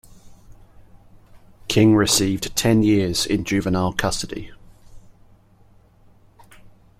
King received ten years in juvenile custody.